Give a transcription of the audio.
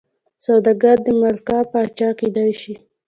سوداګر د ملاکا پاچا کېدای شي.